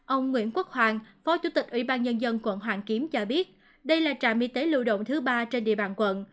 ông nguyễn quốc hoàng phó chủ tịch ủy ban nhân dân quận hoàn kiếm cho biết đây là trạm y tế lưu động thứ ba trên địa bàn quận